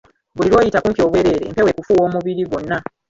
Buli lwoyita kumpi obwereere, empewo ekufuuwa omubiri gwonna.